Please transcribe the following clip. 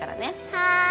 はい。